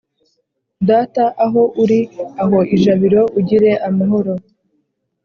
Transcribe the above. data aho uri aho ijabiro ugire amahoro,